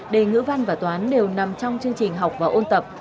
đề ngữ văn và toán đều nằm trong chương trình học và ôn tập